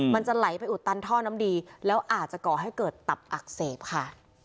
มันจะไหลไปอุดตันท่อน้ำดีแล้วอาจจะก่อให้เกิดตับอักเสบค่ะ